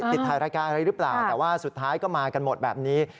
ติดถ่ายรายการอะไรหรือเปล่าแต่ว่าสุดท้ายก็มากันหมดแบบนี้